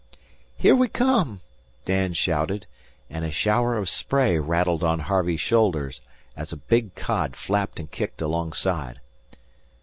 "Here we come!" Dan shouted, and a shower of spray rattled on Harvey's shoulders as a big cod flapped and kicked alongside.